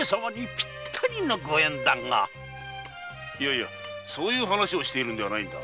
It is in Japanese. いやそういう話をしているのではないのだ。